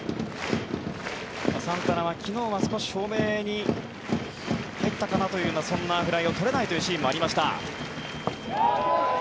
サンタナは昨日は少し照明に入ったかなというようなそんな、フライをとれないというシーンもありました。